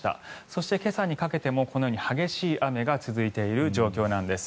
そして、今朝にかけてもこのように激しい雨が続いている状況なんです。